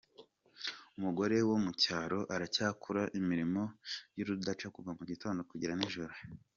Umugore wo mu cyaro aracyakora imirimo y’urudaca kuva mu gitondo kugera nijoro.